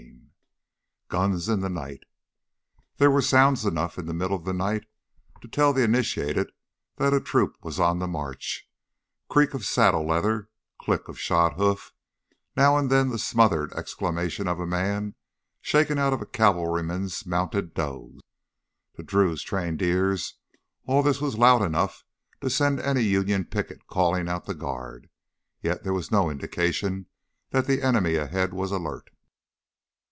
2 Guns in the Night There were sounds enough in the middle of the night to tell the initiated that a troop was on the march creak of saddle leather, click of shod hoof, now and then the smothered exclamation of a man shaken out of a cavalryman's mounted doze. To Drew's trained ears all this was loud enough to send any Union picket calling out the guard. Yet there was no indication that the enemy ahead was alert.